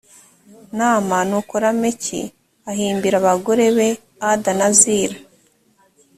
nama nuko lameki ahimbira abagore be ada na zila